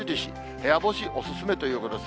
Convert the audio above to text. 部屋干しお勧めということです。